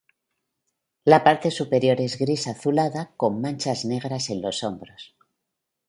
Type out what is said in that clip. La parte superior es gris azulada, con manchas negras en los hombros.